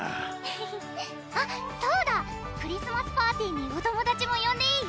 フフッあっそうだクリスマスパーティにお友達もよんでいい？